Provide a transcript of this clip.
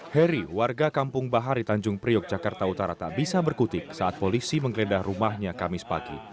heri warga kampung bahari tanjung priok jakarta utara tak bisa berkutik saat polisi menggeledah rumahnya kamis pagi